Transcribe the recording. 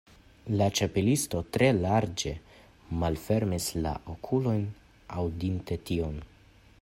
La Ĉapelisto tre larĝe malfermis la okulojn, aŭdinte tion.